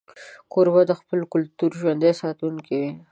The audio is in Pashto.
کوربه د خپل کلتور ژوندي ساتونکی وي.